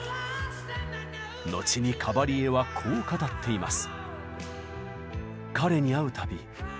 後にカバリエはこう語っています。